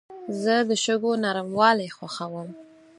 زه د شګو نرموالي خوښوم.